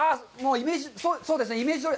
そうですね、イメージどおり。